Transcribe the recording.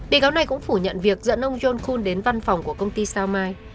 bị cáo này cũng phủ nhận việc dẫn ông john khun đến văn phòng của công ty sao mai